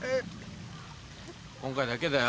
今回だけだよ？